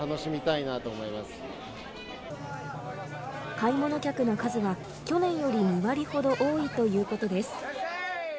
買い物客の数は去年より２割ほど多いということです。